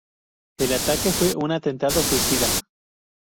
El ataque fue un atentado suicida.